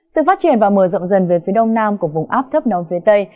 sự phát triển và mở rộng dần về phía đông nam của vùng áp thấp nóng phía tây